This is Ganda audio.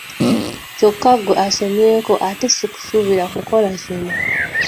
Kyokka ggwe asomyeko ate si kusuubira kukola kino.